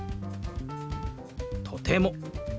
「とても」。